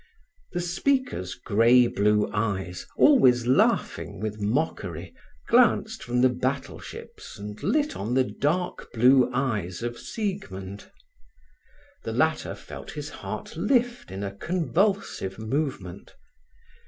The speaker's grey blue eyes, always laughing with mockery, glanced from the battleships and lit on the dark blue eyes of Siegmund. The latter felt his heart lift in a convulsive movement.